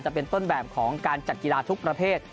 จะเป็นต้นแบบของการจัดกีฬาทุกประเภท